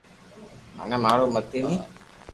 مني مارو متي ني